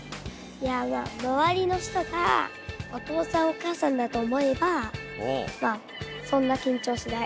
いやまわりの人がお父さんお母さんだと思えばそんなきんちょうしない。